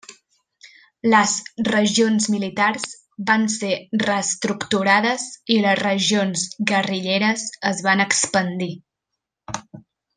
Les regions militars van ser reestructurades i les regions guerrilleres es van expandir.